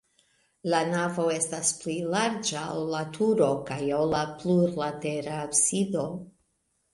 La navo estas pli larĝa, ol la turo kaj ol la plurlatera absido.